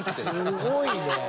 すごいね。